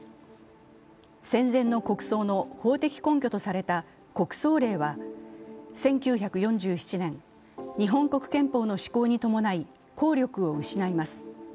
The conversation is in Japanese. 戦前の国葬の法的根拠とされた国葬令は１９４７年、日本国憲法の施行伴い効力を失います。